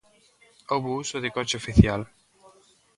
Houbo uso de coche oficial.